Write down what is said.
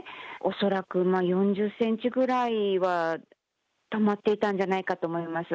恐らく４０センチぐらいはたまっていたんじゃないかと思います。